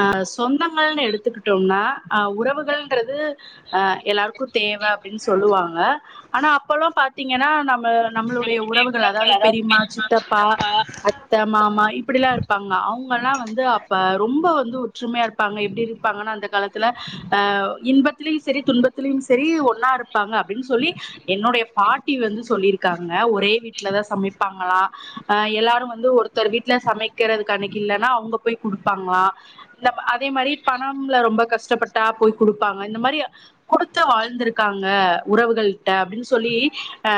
அ சொந்தங்கள்ன்னு எடுத்துக்கிட்டோம்னா அ உறவுகள்ன்றது அ எல்லாருக்கு தேவ அப்டின்னு சொல்லுவாங்க ஆனா அப்பல்லா பாத்தீங்கன்னா நம்ம நம்மளோட யுடைய உறவுகள் அதாவது பெரியம்மா சித்தப்பா அத்த மாமா இப்படில்லா இருப்பாங்க அவங்கல்லா வந்து அப்ப ரொம்ப வந்து ஒற்றுமையா இருப்பாங்க எப்டி இருப்பாங்கன்னா அந்த காலத்துல இன்பத்திலயு சரி துன்பத்து சரி ஒன்னா இருப்பாங்க அப்டின்னு சொல்லி என்னுடைய பாட்டி வந்து சொல்லியிருக்காங்க ஒரே வீட் வீட்லதா சமப்பாங்களா அ எல்லாரு வந்து ஒருத்தர் வீட்டுல சமைக்கிறது கணக்கு இல்லேன்னா அவங்க போய் குடுப்பாங்களா இந்த அதே மாரி பணம்ல ரொம்ப கஷ்டப்பட்டா போய் குடுப்பாங்க இந்த மாரி குடுத்து வாழ்ந்திருக்காங்க உறவுகள்ட்ட அப்டின்னு சொல்லி ஆ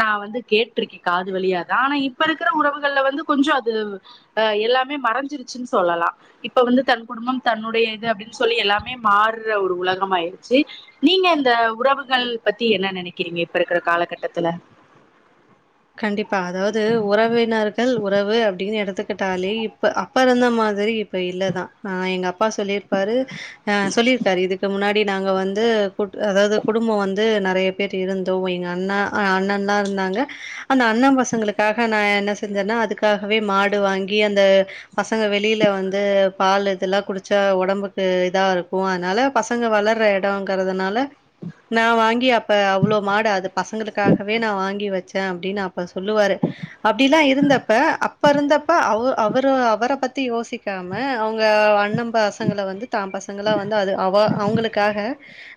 நா வந்து கே ட்ருக்க காது வழியாதா ஆனா இப்ப இருக்கிற உறவுகள்ல வந்து கொஞ்ச அது எல்லாமே மறஞ்சிருச்சு சொல்லலா இப்ப வந்து தன் குடும்பம் தன்னுடைய இது அப்டின்னு சொல்லி எல்லாமே மார்ற ஒரு உலகம் ஆயிருச்சு நீங்க இந்த உறவுகள் பத்தி என்ன நெனக்கிறீங்க இப்பருக்குற காலகட்டத்துல கண்டிப்பா அதாவது உறவினர்கள் உறவு அப்டின்னு எடுத்துக்கிட்டாலே இப்ப அப்பருந்த மாதிரி இப்ப இல்ல தா எங்க அப்பா சொல்ருப்பாரு ஆ சொல்லியிருக்காரு இதுக்கு முன்னாடி நாங்க வந்து கு அதாவது குடும்ப வந்து நெறைய பேர் இருந்தோ எங்கண்ணா ஆ அண்ணன் தா இருந்தாங்க அந்த அண்ண பசங்களுக்காக நா என்ன செஞ்சென்னா அதுக்காகவே மாடு வாங்கி அந்த பசங்க வெளில வந்து பால் இதெல்லா குடிச்சா ஒடம்புக்கு இதா இருக்கும் அதனால பசங்க வளர்ற இடங்குறதுனால நான் வாங்கி அப்ப அவ்ளோ மாடு அது பசங்களுக்காகவே நான் வாங்கி வெச்சேன் அப்டின்னு அப்ப சொல்லுவாரு அப்டில்லாம் இருந்தப்ப அப்ப இருந்தப்ப அவ அவரு அவர பத்தி யோசிக்காம அவுங்க அண்ண பசங்கள வந்து தாம்பசங்களா வந்து அது அவ அவுங்களுக்காக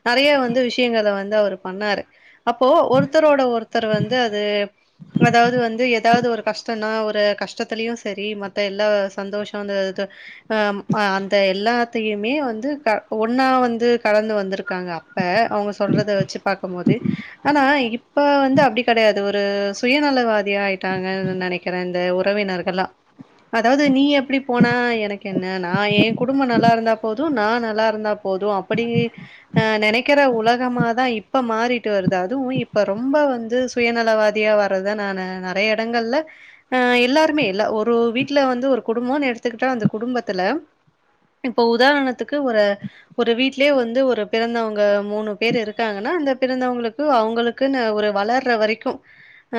நறைய வந்து விஷயங்கள வந்து அவரு பண்ணாரு அப்போ ஒருத்தரோட ஒருத்தர் வந்து அது அதாவது வந்து ஏதாவது ஒரு கஷ்டம்ன்னா ஒரு கஷ்டத்துலயும் சரி மத்த எல்லா சந்தோஷம் அந்த அது அம் அந்த எல்லாத்தியுமே வந்து க ஒன்னா வந்து கடந்து வந்துருக்காங்க இப்ப அவுங்க சொல்றத வெச்சு பாக்கும்போது ஆனா இப்ப வந்து அப்டி கெடயாது ஒரு சுயநலவாதியா ஆயிட்டாங்கன்னு நனைக்கிறேன் இந்த உறவினர்கள்லாம் அதாவது நீ எப்டி போனா எனக்கென்ன நா யேன் குடும்போம் நல்லா இருந்தா போதும் நா நல்லா இருந்தா போதும் அப்படி நா நெனைக்கிற உலகமா தான் இப்ப மாறிட்டு வருது அதுவும் இப்ப ரொம்ப வந்து சுயநலவாதியாவ வரத நானு நான் நறைய இடங்கள்ல எல்லாருமே இல்ல ஒரு ஒரு வீட்ல வந்து ஒரு குடும்பன்னு எடுத் த்துக்கிட்டா அந்த குடும்பத்துல இப்ப உதாரணத்துக்கு ஒரு ஒரு வீட்லேயே வந்து ஒரு பிறந்தவங்க மூணு பேர் இருக்காங்கன்னா அந்த பிறந்தவங்களுக்கு இது அவுங்களுக்குன்னு ஒரு வளர்ற வரைக்கும் ஹ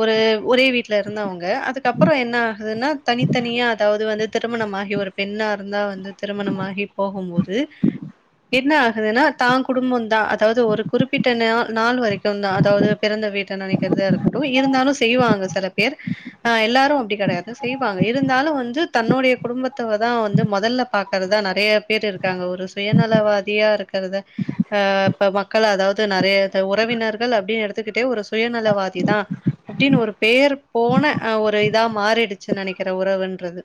ஒரு ஒரே வீட் வீட்ல ல இருந்தொவங்க அதுக்கப்புறம் என்ன ஆகுதுன்னா தனித்தனியா அதாவது வந்து திருமணம் ஆகி ஒரு பெண்ணா இருந்தா வந்து திருமணமாகி போகும் மோது என்ன ஆகுதுன்னா தான் குடும்பம் தான் அதாவது ஒரு குறிப்பிட்ட நாள் நாள் வரைக் ட்டும்தான் அதாவது பிறந்த வீட்ட நனைக்கிறதா இருக்கட்டும் இருந்தாலும் செய்வாங்க சில பேர் அ எல்லாரும் அப்டி கிடயாது செய்வாங்க இருந்தாலும் வந்து தன்னுடைய குடும்பத்தவ தான் வந்து முதல்ல பாக் இருக்கறதா நறையா பேர் இருக்காங்க ஒரு சுயநலவாதியா இருக்கறத அ இப்ப மக்கள் அதாவது நறையா உறவினர்கள் அப்டின்னு எடுத்துக்கிட்டே ஒரு சுயநலவாதி தான் அப்டின்னு ஒரு பேர் போன ஒரு இதா மாறிடுச்சுன்னு நனைக்கிற உறவுன்றது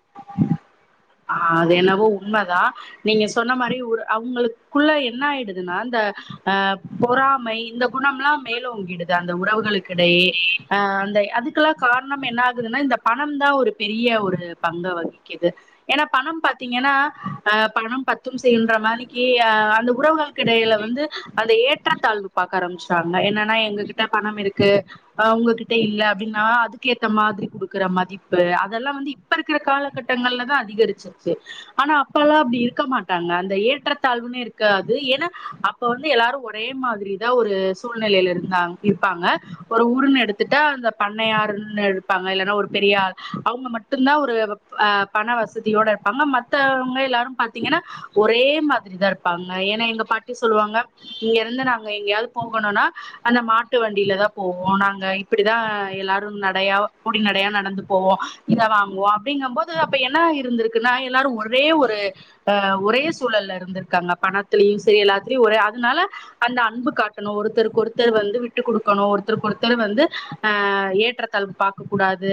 ஆ அது என்னவோ உண்மதா நீங்க சொன்ன மாரி ஒரு அவுங்களுக்குள்ள என்ன ஆயிடுதுனா இந்த அ பொறாமை இந்த குணமெல்லாம் மேலோங்கிடுது அந்த உறவுகளுக்கிடயே அ அந்த அதுக்கெல்லாம் காரணம் என்ன ஆகுதுன்னா இந்த பணம் தான் ஒரு பெரிய ஒரு பங்கு வகிக்குது ஏனா பணம் பாத்தீங்கனா அ பணம் பத்தும் செய்யும்ற மாரிக்கு அந்த உறவுங்கள் கிடையில வந்து அந்த ஏற்றத்தாழ்வு பாக்க ஆரம்பிச்சுட்டாங்க என்னன்னா எங்ககிட்ட பணம் இருக்கு அவுங்ககிட்ட இல்ல அப்படினா அதுக்கேத்த மாதிரி குடுக்குற மதிப்பு அதல்லா வந்து இப் இப்பருக்கிற காலகட்டங்கள்ல தான் அதிகரிச்சிருச்சு ஆனா அப்பல்லாம் அப்டி இருக்க மாட்டாங்க அந்த ஏற்றத்தாழ்வுன்னே இருக்காது ஏனா அப் இப்ப வந்து எல்லாரும் ஒரே மாதிரி தான் ஒரு சூழ்நிலைல இருந்தாங் இருப்பாங்க ஒரு ஊருனு எடுத்துட்டா அந்த பண்ணையாருனு இருப்பாங்க இல்லனா ஒரு பெரியாள் அவுங்க மட்டும்தான் ஒரு அ பணவசதி இவிகளோட பொண்ணு மத்தவங்க எல்லாரும் பாத்தீங்கனா ஒரே மாதிரிதான் இருப்பாங்க ஏனா எங்க பாட்டி சொல்லுவாங்க இங்கருந்து நாங்க எங்கயாது போகணுனா அந்த மாட்டு வண்டில தான் போவோம் நாங்க இப்டிதான் எல்லாரும் நடயா பொடிநடயா நடந்து போவோம் இத வாங்குவாம் அப்டிங்கபோது அப்ப என்ன இருந்திருக்குனா எல்லாரும் ஒரே ஒரு அ ஒரே சூழல்ல இருந்திருக்காங்க பணத்திலியும் செரி எல்லாத்துலயும் ஒரே அதுனால அந்த அன்பு காட்டணு ஒருத்தருக்கு ஒருத்தர் வந்து விட்டு கொடுக்கணும் ஒருத்தருக்கு ஒருத்தர் வந்து அ ஏற்றத் கல் பாக்க கூடாது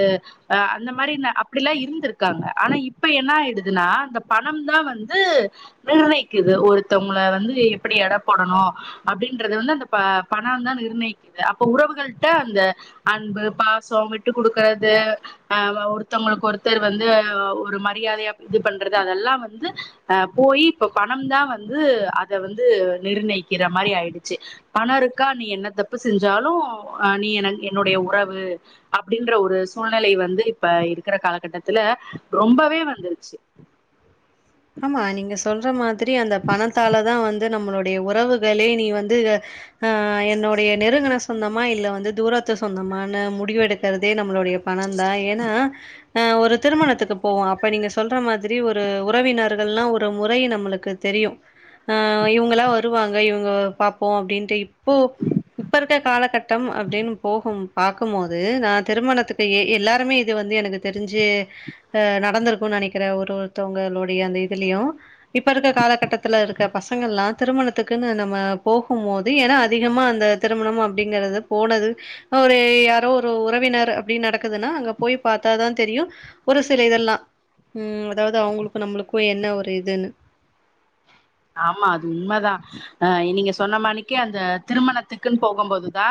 அந்த மாரி அப்டிலாம் இருந்திருக்காங்க ஆனா இப் இப்ப என்ன ஆயிடுதுனா அந்த பணம் தான் வந்து நிர்ணயிக்குது ஒருத்தவுங்கள வந்து எப்டி எட போடணும் அப்டின்றத வந்து அந்த ப பணந்தா நிர்ணயிக்குது அப்ப உறவுகள்ட்ட அந்த அன்பு பாசம் விட்டு குடுக்குறது அ ஒருத்தவங்களுக்கு ஒருத்தர் வந்து ஒரு மரியாதையா இது பண்றது அதெல்லா வந்து அ போயி இப்ப பணம்தா வந்து அத வந்து நிர்ணயிக்கிற மாரி ஆயிடுச்சு பண இருக்கா நீ என்ன தப்பு செஞ்சாலு அ நீ எனக் என்னுடைய உறவு அப்டின்ற ஒரு சூழ்நிலை வந்து இப்ப இருக்கிற காலகட்டத்துல ரொம்பவே வந்துருச்சு ஆமா நீங்க சொல்ற மாதிரி அந்த பணத்தாலதா வந்து நம்மளுடய உறவுகளே நீ வந்து அ என்னுடய நெருங்குன ஸ் சொந்தமா இல்ல வந்து தூரத்து சொந்தமானு முடிவு எடுக்கிறதே நம்மளுடய பணம் தா ஏனா அ ஒரு திருமணதுக்கு போவோ அப்ப நீங்க சொல்ற மாதிரி ஒரு உறவினர் தெல்லா ஒரு முறை நம்மளுக்கு தெரியு அ இவங்களா வருவாங்க இவங்க பாப்போ அப்டின்ட்டு இப்போ இப்ப இருக்க காலகட்டம் அப்டின் போகும் பாக்கும் போது நா திருமணத்துக்கு எ எல்லாருமே இது வந்து எனக்கு தெரிஞ்சு அ நடந்திருக்கு நெனக்கிறே ஒரு ஒருத்தவங்களுடய அந்த இதுலயு இப்ப இருக்க காலகட்டத்துல இருக்க பசங்கல்லா திருமணத்துக்குன்னு நம்ம போகும் போது ஏனா அதிகமா அந்த திருமணம் அப்டிங்குறது போனது ஒரு யாரோ ஒரு உறவினர் அப்டின் நடக்குதுனா அங்க போய் பாத்தா தா தெரியு ஒரு சில இதெல்லா ம் அதாவது அவங்களுக்கு நம்மளுக்கு என்ன ஒரு இதுனு ஆமா அது உண்மதா அ நீங்க சொன்ன மானிக்கு அந்த திருமணத்துக்குன் போகும்போது தா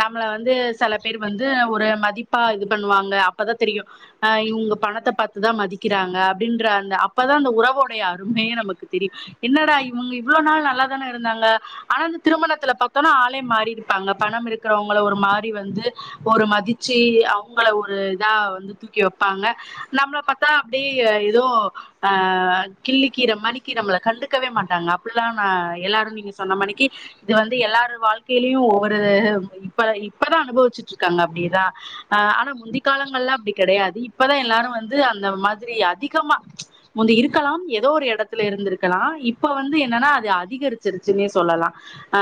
நம்மள வந்து செல பேர் வந்து ஒரு மதிப்பா இது பண்ணுவாங்க அப்பதா தெரியு அ இவுங்க பணத்த பாத்துதா மதிக்கிறாங்க அப்டின்ற அந்த அப்பதா அந்த உறவோடய அருமையே நமக்கு தெரியு என்னடா இவுங்க இவ்ளோ நாள் நல்லாதான இருந்தாங்க ஆனா அந்த திருமணத்துல பாத்தோம்னா ஆளே மாறி இருப்பாங்க பணம் இருக்கிறவங்கள ஒரு மாறி வந்து ஒரு மதிச்சு அவங்கள ஒரு இதா வந்து தூக்கி வப்பாங்க நம்ள பாத்தா அப்டியே ஏதோ அ கிள்ளுக்கீர மாறிக்கி நம்மள கண்டு கவே மாட்டாங்க அப்பில்லா நா எல்லாரு நீங்க சொன்ன மானிக்கி இது வந்து எல்லாரு வாழ்க்கைலயு ஒவ்வொரு இப்ப இப்பதா அனுபவிச்சிட் இருக்காங்க அப்டிதா அ ஆனா முந்தி காலங்கள்லா அப்டி கெடையாது இப்பதா எல்லாரு வந்து அந்த மாதிரி அதிகமா முந்தி இருக்கலாம் ஏதோ ஒரு எடத்துல இருந்து இருக்கலா இப்போ வந்து என்னன்னா அது அதிகரிச்சுருச்சுன்னே சொல்லலா ஆ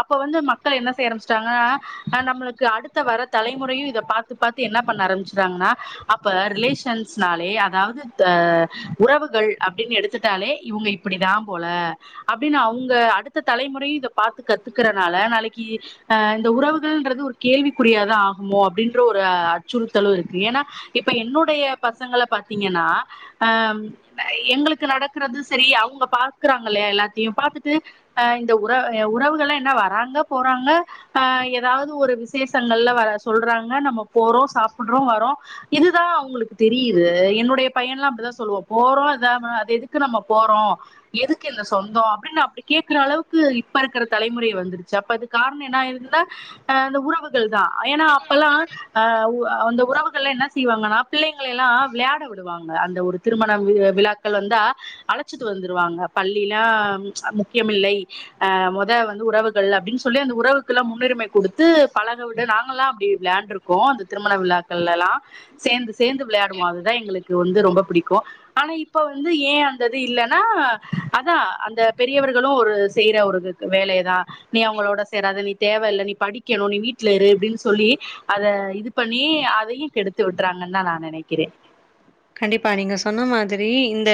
அப்போ வந்து மக்கள் என்ன செய்ய ஆரமுச்சுட்டாங்க ஆ நம்ளுக்கு அடுத்த வர தலைமுறையு இத பாத்து பாத்து என்ன பண்ண ஆரம்பிச்சிடாங்கன்னா அப்ப ரிலேஷன்ஸ்னாலே அதாது அ உறவுகள் அப்டின்னு எடுத்துட்டாலே இவுங்க இப்டி தா போல அப்டின்னு அவுங்க அடுத்த தலைமுறையு இத பாத்து கத்துக்கறனால நாளைக்கி அ இந்த உறவுகள்ன்றது ஒரு கேள்விக்குறியாதா ஆகுமோ அப்டின்ற ஒரு அச்சுறுத்தலு இருக்கு ஏனா இப்ப என்னுடைய பசங்கள பாத்தீங்கன்னா அ எங்களுக்கு நடக்குறது செரி அவுங்க பாக்குறாங்க இல்லையா எல்லாத்தையு பாத்துட்டு அ இந்த உற உறவுகளே என்ன வராங்க போறாங்க அ ஏதாவது ஒரு விசேஷங்கள்ல வர சொல்றாங்க நம்ம போறோ சாப்புட்றோ வரோ இதுதா அவுங்ளுக்கு தெரியுது என்னுடைய பையன்லா அப்டித்தா சொல்லுவோ போறோ அத மா அது எதுக் கு நம்ம போறோ எதுக்கு இந்த சொந்தோ அப்டின் அப்டி கேக்குற அளவுக்கு இப்ப இருக்கிற தலைமுறை வந்துருச்சு அப்ப அது காரணம் என்ன ஆயிருதுனா அ அந்த உறவுகள் தா ஏனா அப்பெல்லா அ உ அந்த உறவுகள்லா என்ன செய்வாங்கன்னா பிள்ளைங்கள எல்லா விளையாட விடுவாங்க அந்த ஒரு திருமண வு விழாக் கள் வந்தா அழச்சிட்டு வந்துருவாங்க பள்ளிலா அ முக்கியமில்லை அ மொத வந்து உறவுகள் அப்டின் சொல்லி அந்த உறவுக்குல்லா முன்னுரிமை குடுத்து பழக விட நாங்கல்லா அப்டி வெளாண்ட்ருக் கு அந்த திருமண விழாக்கள்லல்லா சேந்து சேந்து விளயாடுவோ அதுதா எங்களுக்கு வந்து ரொம்ப புடிக்கு ஆனா இப்போ வந்து ஏ அந்தது இல்லனா அதா அந்த பெரியவர்களு ஒரு செய்ற ஒரு வேலைதா நீ அவுங்களோட சேராத நீ தேவ இல்ல நீ படிக்கணு நீ வீட்ல இரு இப்டின் சொல்லி அத இது பண்ணி அதையு கெடுத்து விட்டுறாங்கன்தா நா நெனக்கிறே கண்டிப்பா நீங்க சொன்ன மாதிரி இந்த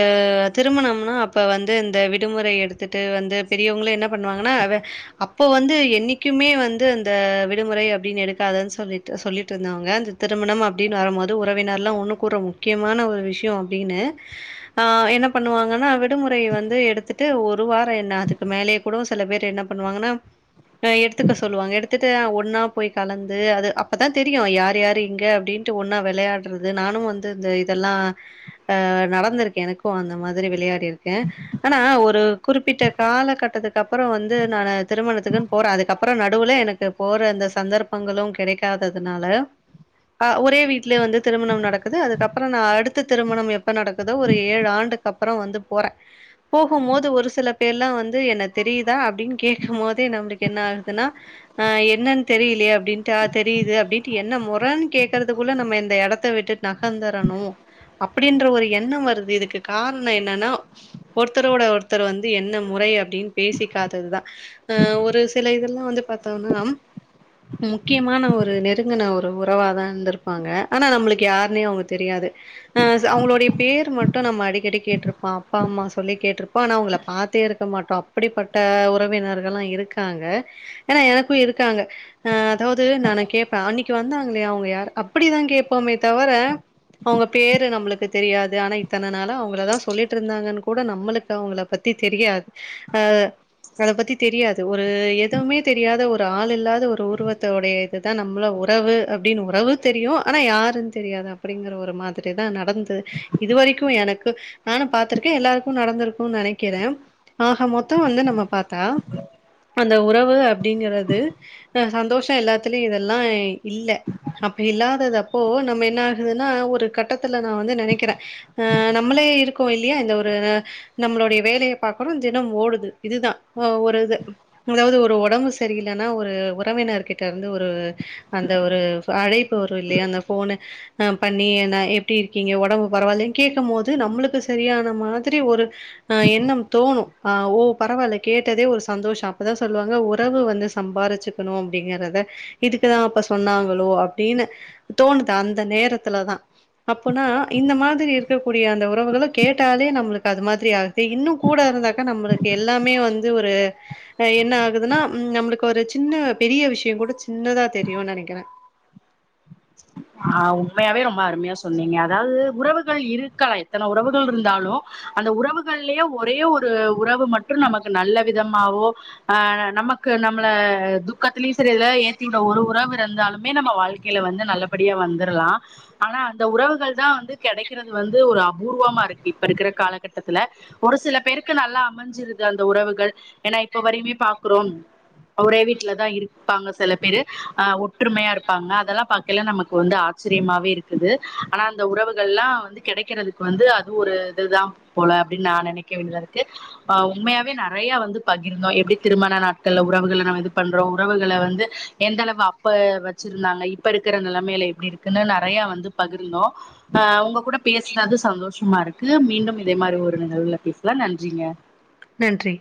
திருமணம்னா அப்ப வந்து இந்த விடுமுறை எடுத் த்துட்டு வந்து பெரியவங்களு என்ன பண்ணுவாங்கன்னா அப்போ வந்து என்னைக்குமே வந்து அந்த விடுமுறைய அப்டின்னு எடுக்காத சொல்லிட்டு சொல்லிட்டு இருந்தாங்க அந்த திருமணம் அப்டின்னு வரும்போது உறவினரல்லா ஒன்னு கூட்ற முக்கியமான ஒரு விஷ்யோ அப்டின்னு என்ன பண்ணுவாங்கன்னா விடுமுறைய வந்து எடுத்து ட்டு ஒரு வாரொ என்ன அதுக்கு மேலயே கூட சில பேரு என்ன பண்ணுவாங்கன்னா அ எடுத்துக்க சொல்லுவாங்க எடுத்துட்டு அ ஒன்னாப் போய் கலந்து அது அப்பதா தெரியு யாரு யாரு எங்க அப்டின்ட்டு ஒன்னா வெளையாடுறது நானு வந்து இந்து இதெல்லா அ நடந்திருக்கு எனக்கு அந்த மாதிரி விளையாட் ட்டிருக்கே ஆனா ஒரு குறிப்பிட்ட காலகட்டத்துக்கு அப்பறோ வந்து நானு திருமணத்துக்குன் போறா அதுக்கப்புறோ நடுவுல எனக்கு போற அந்த சந்தர்ப்பங்களு கெடைக்காததனால அ ஒரே வீட்லே வந்து திருமணம் நடக்குது அது அக்கப்பறோ நா அடுத்து திருமணம் எப்போ நடக்குதோ ஒரு ஏழு ஆண்டுக்கு அப்பறோ வந்து போறே போகும்போது ஒரு சில பேர்லா வந்து என்ன தெரியுதா அப்டின்னு கேக்கும் போதே நம்ளுக்கு என்ன ஆகுதுன்னா ஆ என்னன் தெரியலயே அப்டின்ட்டு தெரியுது அப்டின்ட்டு என்ன மொறன் கேக்கறதுக்குள்ள நம்ம இந்த எடத்த விட்டுட் ந வந்தரணு அப்டின்ற ஒரு எண்ணம் வருது இதுக்கு கார்ணோ என்னன்னா ஒருத்தரோட ஒருத்தர் வந்து என்ன முறை அப்டின் பேசிக்காததுதா அ ஒரு சில இதெல்லா வந்து பாத்தோனா முக்கியமான ஒரு நெருங்குன ஒரு உறவாதா இருந்துருப்பாங்க ஆனா நம்ளுக்கு யார் னே அவுங்களுக் தெரியாது அ ச அவங்களோடைய பேரு மட்டு நம்ம அடிக்கடி கேட்ருப்ப அப்பா அம்மா சொல்லி கேட்ரு அப்ப நா அவுங்கள பாத்தே இருக்க மாட்டோ அப்டிப்பட்ட உறவினர்கள்லா இருக்காங்க ஏன்னா எனக்கு இருக்காங்க அ அதாவது நானு கேப்பே அன்னைக்கு வந்தாங்களே அவங்க யாரு அப்டிதா கேபோமே தவர அவங்க பேரு நம்மளுக்கு தெரியாது ஆனா இத்தன நாளா அவங்கள தா சொல்லிட்டு இருந்தாங்கன்னு கூட நம்மளுக்கு அவங்கள பத்தி தெரியாது ஆ அத பத்தி தெரியாது ஒரு எதுவுமே தெரியாத ஒரு ஒரு ஆள் இல்லாத ஒரு உருவத்துடைய இதுதா நம்மள உறவு அப்டின்னு உறவு தெரியு ஆனா யாருன்னு தெரியாதா அப்டிங்கிற ஒரு மாதிரிதா நடந்து இதுவரைக்கு எனக்கு நானு பாத்திருக்கே எல்லாருக்கு நடந்திருக்கு நெனைக்கிறே ஆக மொத்தம் வந்து நம்ம பாத்தா அந்த உறவு அப்டிங்கறது அ சந்தோஷ எல்லாத்துலயு இதெல்லா இல்ல அப்ப இல்லாதது அப்போ நம்ம என்ன ஆகுதுன்னா ஒரு கட்டத்துல நா வந்து நினைக்கிறே ஆ நம்மளே இருக்கோ இல்லையா இந்த ஒரு நம்மளுடைய வேலையை பாக்குறோ தினம் ஓடுது இதுதா ஆ ஒரு இது அதாவது ஒரு ஒடம்பு சரியில்லைன்னா ஒரு உறவினர்கிட்ட இருந்து ஒரு அந்த ஒரு அழைப்பு வரு இல்லையா அந்த போனு அ பண்ணி நா எப்டி இருக்கீங்க ஒடம்பு பரவாயில்ல கேக்க போது நம்மளுக்கு சரியான மாதிரி ஒரு அ எண்ணம் தோணு ஆ ஓ பரவாயில்ல கேட்டதே ஒரு சந்தோஷோ அப்பதா சொல்லுவாங்க உறவு வந்து சம்பாரிச்சு குணு அப்டிங்கறத இதுக்குதா அப்ப சொன்னாங்களோ அப்டின்னு தோணுது அந் அந்த நேரத்துல தா அப்புனா இந்த மாதிரி இருக் க்கூடிய அந்த உறவுகள கேட்டாலே நம்முளுக்கு அது மாதிரி ஆகுது இன்னு கூட இருந்தாக்க நம்முளுக் எல்லாமே வந்து ஒரு என்ன ஆகுதுன்னா ம் நம்மளுக்கு ஒரு சின்ன பெரிய விஷ்யோ கூட சின்னதா தெரியுன்னு நெனைக்கிறே ஆ உண்மையாவே ரொம்ப அருமையா சொன்னீங்க அதாது உறவுகள் இருக்கா எத்தன உறவுகள் இருந்தாலு அந்த உறவுகள்லேயே ஒரே ஒரு உறவு மட்டு நமக்கு நல்ல விதமாவோ ஆ நமக்கு நம்மள துக்கத்துலயும் சரி எதுலயாது ஏத்தி விட ஒரு உறவு இருந்தாலுமே நம்ம வாழ்க்கையில வந்து நல்லபடியா வந்துரலா ஆனா அந்த உறவுகள் தா வந்து கிடைக்கிறது வந்து ஒரு அபூர்வமா இருக்கு இப்ப இருக்கற காலகட்டத்துல ஒரு சில பேருக்கு நல்லா அமைஞ்சிருது அந்த உறவுகள் ஏன்னா இப்ப வரையுமே பாக்குறோ ஒரே வீட்ல தா இருப்பாங்க சில பேரு அ ஒற்றுமையா இருப்பாங்க அதெல்லா பாக்கைல நமக்கு வந்து ஆச்சரியமாவே இருக்குது ஆனா அந்த உறவுகள்லாம் வந்து கிடைக்கறதுக்கு வந்து அது ஒரு இதுதா போல அப்டின்னு நா நினைக்க வேண்டியதா இருக்கு ஆ உண்மையாவே நெறைய வந்து பகிர்ந்தோ எப்டி திருமண நாட்கள்ல உறவுகள நம்ம இது பண்றோ உறவுகள வந்து எந்த அளவு அப்ப வச்சிருந்தாங்க இப்ப இருக்கிற நிலைமையில எப்டி இருக்குன்னு நெறையா வந்து பகிர்ந்தோ அ உங்க கூட பேசுனது சந்தோஷமா இருக்கு மீண்டும் இதே மாரி ஒரு நிகழ்வுல பேசலா நன்றிங்க நன்றி